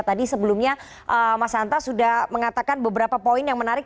tadi sebelumnya mas hanta sudah mengatakan beberapa poin yang menarik